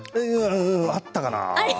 あったかな？